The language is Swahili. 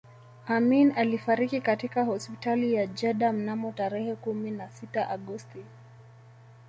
Amin alifariki katika hospitali ya Jeddah mnamo tarehe kumi na sita Agosti